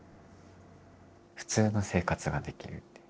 普通の生活ができるっていう。